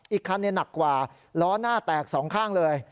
อีกคันหนักกว่าล้อหน้าแตกสองข้างเลย